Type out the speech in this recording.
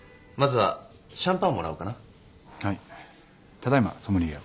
ただいまソムリエを。